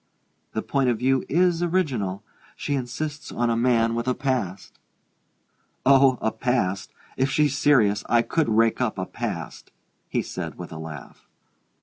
The point of view is original she insists on a man with a past!" "Oh, a past if she's serious I could rake up a past!" he said with a laugh.